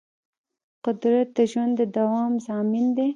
قدرت د ژوند د دوام ضامن دی.